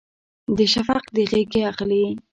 د شفق د غیږې اخلي